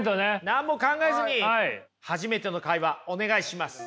何も考えずに初めての会話お願いします。